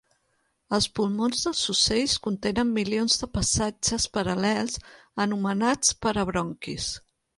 Els pulmons dels ocells contenen milions de passatges paral·lels anomenats parabronquis.